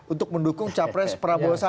untuk mendukung capres prabowo sandi